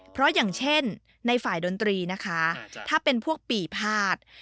เพราะอย่างเช่นในฝ่ายดนตรีนะคะถ้าเป็นพวกปีพาด